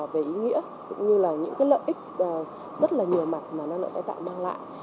về ý nghĩa cũng như là những lợi ích rất nhiều mặt mà năng lượng tái tạo mang lại